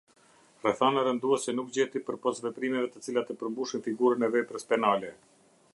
Rrethana rënduese nuk gjeti përpos veprimeve të cilat e përmbushin figurën e veprës penale.